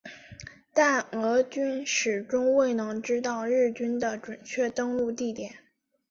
但俄军始终未能知道日军的准确登陆地点。